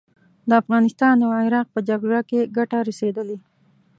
د افغانستان او عراق په جګړه کې ګټه رسېدلې.